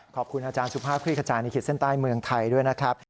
ขอบคุณอาจารย์สุภาพคลี่ขจายในขีดเส้นใต้เมืองไทยด้วยนะครับ